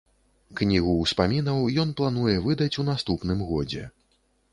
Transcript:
Кнігу ўспамінаў ён плануе выдаць у наступным годзе.